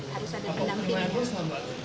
harus ada pendampingan